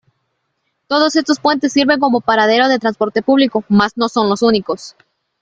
Todos estos puentes sirven como paradero de transporte público más no son los únicos.